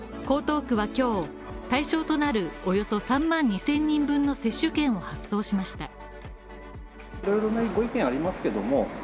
江東区は今日、対象となるおよそ３万２０００人分の接種券を発送しました。